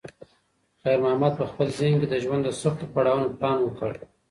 خیر محمد په خپل ذهن کې د ژوند د سختو پړاوونو پلان وکړ.